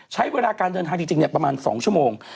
ใช้เวลาการเดินทางจริงประมาณ๒ชั่วโมง